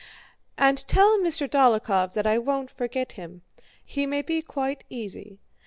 "And tell Mr. Dólokhov that I won't forget him—he may be quite easy.